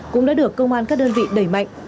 cũng đã được công an các đơn vị đẩy mạnh